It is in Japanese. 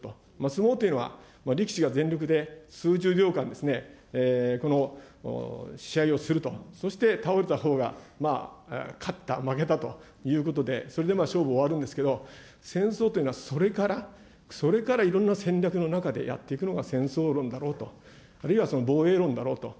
相撲というのは、力士が全力で数十秒間試合をすると、そして倒れたほうが勝った、負けたということで、それで勝負が終わるんですけれども、戦争っていうのはそれから、それからいろんな戦略の中でやっていくのが戦争論だろうと、あるいは防衛論だろうと。